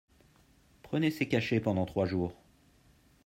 Prenez ces cachets pendant trois jours.